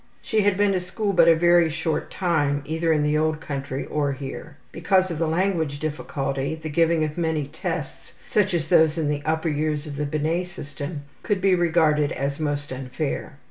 She had been to school but a very short time, either in the old country or here. Because of the language difficulty, the giving of many tests, such as those in the upper years of the Binet system, could be regarded as most unfair.